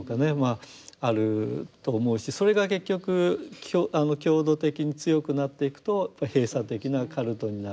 あると思うしそれが結局強度的に強くなっていくとやっぱり閉鎖的なカルトになると。